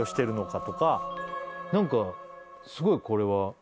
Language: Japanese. なんかすごいこれは。